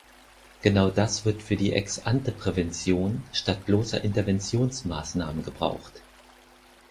Genau das wird für die Ex-ante-Prävention statt bloßer Interventionsmaßnahmen gebraucht.